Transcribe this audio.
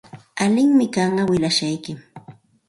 Allinmi kanqa willashqaykim.